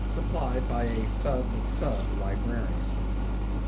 (Supplied by a Sub Sub Librarian).